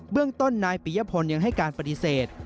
เรื่องต้นนายปียพลยังให้การปฏิเสธ